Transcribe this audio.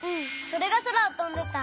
それがそらをとんでた。